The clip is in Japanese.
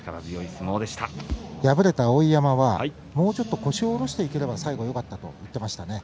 敗れた碧山はもう少し腰を落としていければよかったと言っていました。